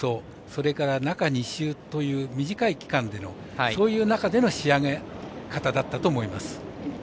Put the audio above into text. それから中２週という短い期間での、そういう中での仕上げ方だったと思います。